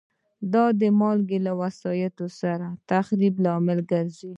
دا مالګه له وسایطو سره د تخریب لامل ګرځي.